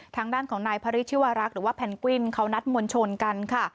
ทางด้านของนายพระฤทธิวรักษ์หรือว่าแพนกวินเขานัดมวลชนกันค่ะ